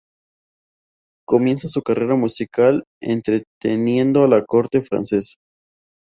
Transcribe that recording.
Comienza su carrera musical entreteniendo a la corte francesa.